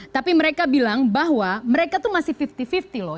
tapi mereka bilang bahwa mereka tuh masih lima puluh lima puluh loh